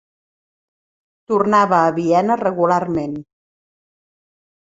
Tornava a Viena regularment.